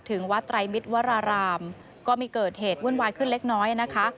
ถึงวัดไตรมิตรวรารามก็มีเกิดเหตุวุ่นวายขึ้นเล็กน้อยนะคะ